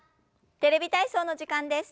「テレビ体操」の時間です。